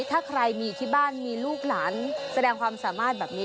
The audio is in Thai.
ถ้าใครมีที่บ้านมีลูกหลานแสดงความสามารถแบบนี้